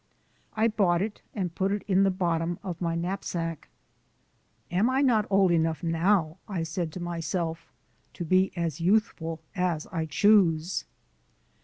I bought it and put it in the bottom of my knapsack. "Am I not old enough now," I said to myself, "to be as youthful as I choose?"